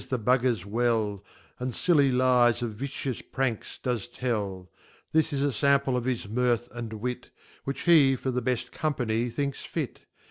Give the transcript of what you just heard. flie Buggers well* And filly Lyes of vicious pranks do:es tell This iia Sample of his Mirth and Wit, Which he for the befl Company thinks fit.